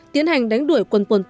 tiến hành đánh đuổi quân quân khu